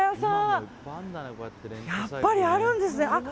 やっぱりあるんですね。